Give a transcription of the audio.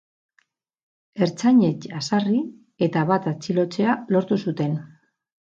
Ertzainek jazarri eta bat atxilotzea lortu zuten.